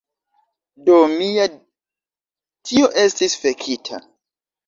... Dio mia, tio estis fekita!